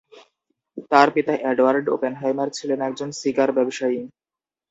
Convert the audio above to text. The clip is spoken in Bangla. তার পিতা এডওয়ার্ড ওপেনহেইমার ছিলেন একজন সিগার ব্যবসায়ী।